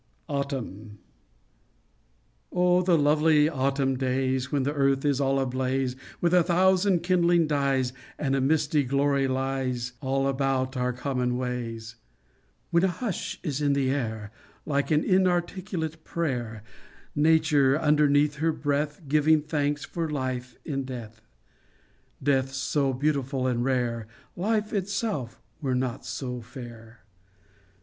AUTUMN Oh, the lovely autumn days, When the earth is all ablaze With a thousand kindling dyes, And a misty glory lies All about our common ways ! When a hush is in the air Like an inarticulate prayer, Nature, underneath her breath, Giving thanks for life in death : Death, so beautiful and rare, Life itself were not so fair.